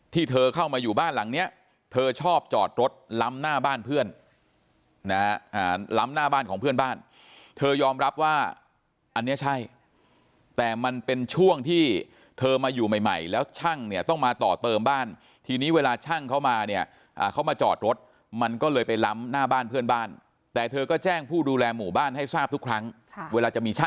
เธอเข้ามาอยู่บ้านหลังเนี้ยเธอชอบจอดรถล้ำหน้าบ้านเพื่อนนะฮะล้ำหน้าบ้านของเพื่อนบ้านเธอยอมรับว่าอันนี้ใช่แต่มันเป็นช่วงที่เธอมาอยู่ใหม่ใหม่แล้วช่างเนี่ยต้องมาต่อเติมบ้านทีนี้เวลาช่างเขามาเนี่ยเขามาจอดรถมันก็เลยไปล้ำหน้าบ้านเพื่อนบ้านแต่เธอก็แจ้งผู้ดูแลหมู่บ้านให้ทราบทุกครั้งเวลาจะมีช